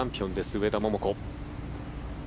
上田桃子。